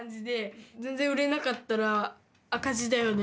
全然売れなかったら赤字だよね。